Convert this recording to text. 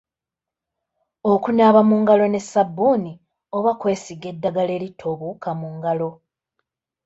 Okunaaba mu ngalo ne ssabbuuni oba kwesiiga eddagala eritta obuwuka mu ngalo.